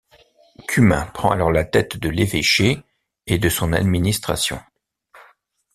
Cumin prend alors la tête de l'évêché et de son administration.